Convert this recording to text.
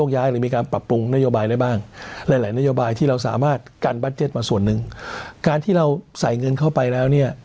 การที่เราใส่เงินเข้าไปแล้วเนี่ย